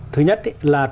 thứ nhất là